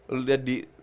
lu lihat di